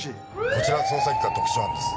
「こちら捜査一課特殊班です